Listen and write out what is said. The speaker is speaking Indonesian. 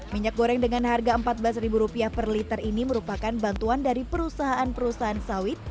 minyak goreng dengan harga rp empat belas per liter ini merupakan bantuan dari perusahaan perusahaan sawit